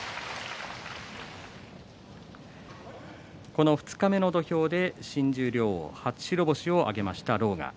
この二日目の土俵で新十両、初白星を挙げました狼雅。